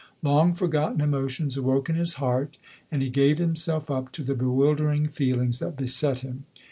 Long forgotten emotions awoke in his heart, and he gave him self up to the bewildering feelings that beset him.